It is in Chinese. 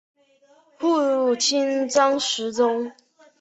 父亲张时中。